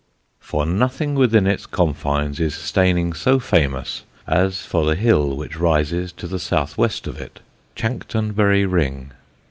For nothing within its confines is Steyning so famous as for the hill which rises to the south west of it Chanctonbury Ring.